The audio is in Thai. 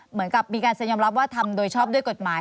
เหมือนกับมีการเซ็นยอมรับว่าทำโดยชอบด้วยกฎหมาย